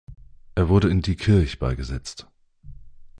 Er wurde in Diekirch beigesetzt.